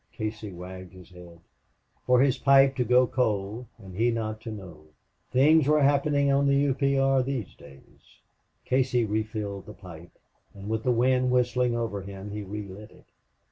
Casey wagged his head. For his pipe to go cold and he not to know! Things were happening on the U. P. R. these days. Casey refilled his pipe, and, with the wind whistling over him, he relit it.